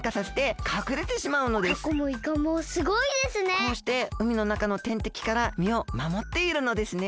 こうしてうみのなかのてんてきからみをまもっているのですね。